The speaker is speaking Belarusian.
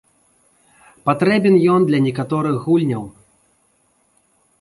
Патрэбен ён для некаторых гульняў.